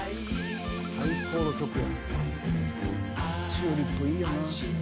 チューリップいいよな。